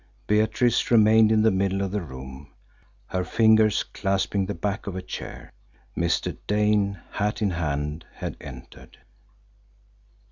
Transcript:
Beatrice remained in the middle of the room, her fingers clasping the back of a chair. Mr. Dane, hat in hand, had entered.